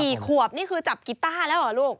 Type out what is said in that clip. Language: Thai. กี่ขวบนี่คือจับกีต้าแล้วเหรอลูก